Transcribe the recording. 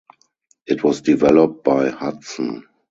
It was developed by Hudson.